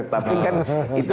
kalau yang sekarang gak offset ya